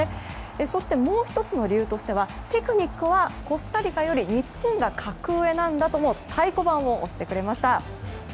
そして、もう１つの理由としてはテクニックはコスタリカより日本が格上なんだと太鼓判を押してくれました。